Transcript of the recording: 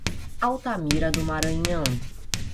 Altamira do Maranhão